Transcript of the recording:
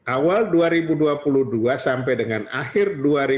awal dua ribu dua puluh dua sampai dengan akhir dua ribu dua puluh